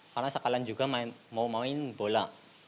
karena sekalan juga mau main bola